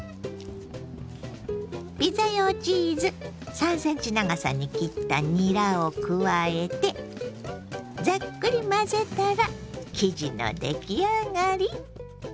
ピザ用チーズ３ｃｍ長さに切ったにらを加えてざっくり混ぜたら生地の出来上がり。